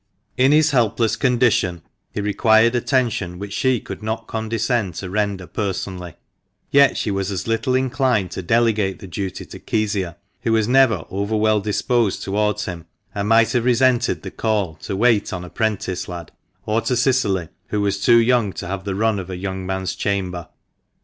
In his helpless condition he required attention, which she could not condescend to render personally; yet she was as little inclined to delegate the duty to Kezia, who was never over well disposed towards him, and might have resented the call to "wait on a 'prentice lad," or to Cicily, who was too young to have the run ot a young man's chamber.